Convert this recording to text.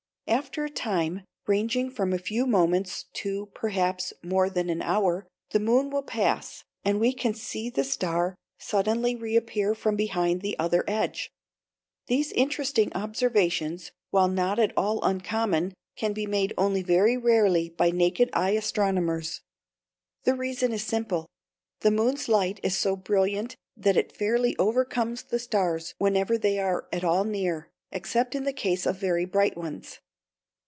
After a time, ranging from a few moments to, perhaps, more than an hour, the moon will pass, and we can see the star suddenly reappear from behind the other edge. These interesting observations, while not at all uncommon, can be made only very rarely by naked eye astronomers. The reason is simple. The moon's light is so brilliant that it fairly overcomes the stars whenever they are at all near, except in the case of very bright ones.